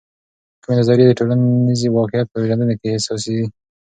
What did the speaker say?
کومې نظریې د ټولنیز واقعیت پیژندنې کې حساسې دي؟